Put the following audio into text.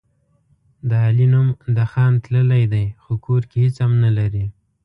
د علي نوم د خان تللی دی، خو کور کې هېڅ هم نه لري.